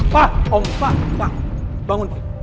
pak om pak bangun